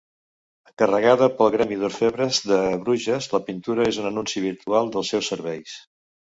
Encarregada pel gremi d'orfebres de Bruges, la pintura és un anunci virtual dels seus serveis.